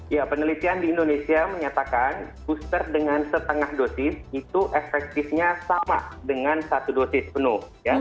ya penelitian di indonesia menyatakan booster dengan setengah dosis itu efektifnya sama dengan satu dosis penuh